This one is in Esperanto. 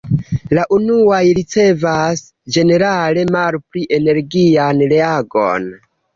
La unuaj ricevas ĝenerale malpli energian reagon.